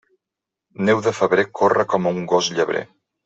Neu de febrer, corre com un gos llebrer.